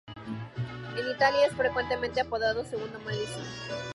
En Italia, es frecuentemente apodado "Il Madison".